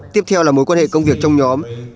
tiếp theo là mối quan hệ công việc trong nhóm